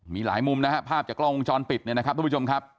มีหลายมุมนะฮะภาพจากกล้องวงจรปิดเนี่ยนะครับทุกผู้ชมครับ